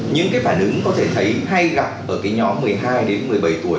những cái phản ứng có thể thấy hay gặp ở cái nhóm một mươi hai đến một mươi bảy tuổi